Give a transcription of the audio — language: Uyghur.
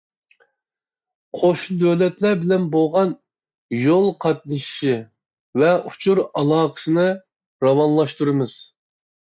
قوشنا دۆلەتلەر بىلەن بولغان يول قاتنىشى ۋە ئۇچۇر ئالاقىسىنى راۋانلاشتۇرىمىز.